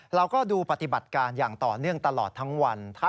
เราก็ดูปฏิบัติการอย่างต่อเนื่องตลอดทั้งวัน